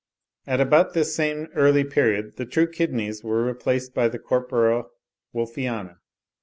At about this same early period the true kidneys were replaced by the corpora wolffiana.